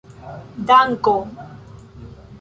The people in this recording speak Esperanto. danko